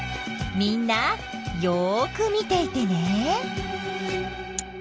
みんなよく見ていてね。